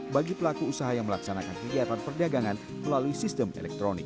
bagi pelaku usaha yang melaksanakan kegiatan perdagangan melalui sistem elektronik